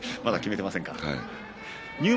まだ決めていませんか。